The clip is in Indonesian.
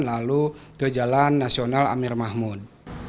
lalu ke jalan nasional amir mahmud